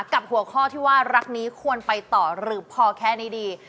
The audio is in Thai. กับหัวข้อที่ว่ารักนี้ควรไปต่อหรือพอแค่นี้ดี